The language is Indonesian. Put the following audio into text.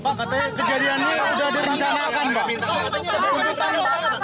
pak katanya kejadian ini sudah direncanakan pak